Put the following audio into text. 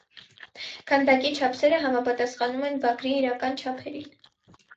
Քանդակի չափսերը համապատասխանում են վագրի իրական չափերին։